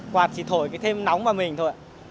quạt chỉ thổi cái thêm nóng vào mình thôi ạ